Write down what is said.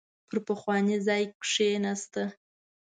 پر پخواني ځای کېناسته.